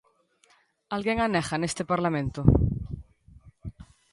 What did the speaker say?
¿Alguén a nega neste Parlamento?